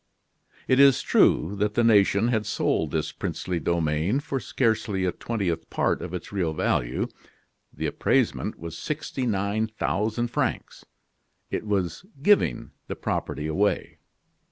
It is true that the nation had sold this princely domain for scarcely a twentieth part of its real value. The appraisement was sixty nine thousand francs. It was giving the property away.